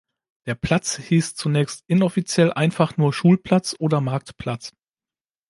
Der Platz hieß zunächst inoffiziell einfach nur "Schulplatz" oder "Marktplatz".